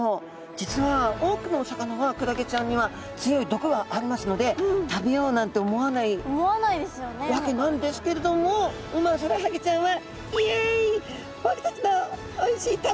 実は多くのお魚はクラゲちゃんには強い毒がありますので食べようなんて思わないわけなんですけれどもウマヅラハギちゃんは。